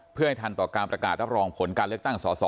เพื่อให้ทันต่อการประกาศรับรองผลการเลือกตั้งสอสอ